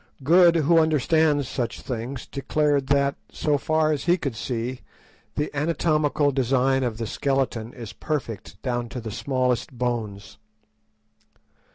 Good, who understands such things, declared that, so far as he could see, the anatomical design of the skeleton is perfect down to the smallest bones.